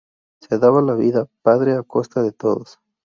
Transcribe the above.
Se daba la vida padre a costa de todos.